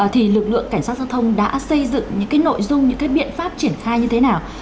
thì lực lượng cảnh sát giao thông đã xây dựng những cái nội dung những cái biện pháp triển khai như thế nào